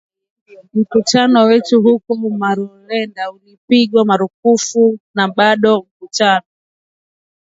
Mkutano wetu huko Marondera ulipigwa marufuku na bado mkutano